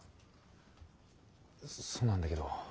そうなんだけど。